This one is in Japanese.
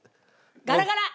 ガラガラ。